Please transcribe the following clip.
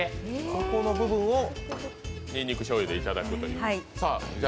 そこの部分をにんにくじょうゆで頂くという。